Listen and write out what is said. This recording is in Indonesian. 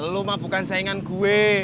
lo ma bukan saingan gue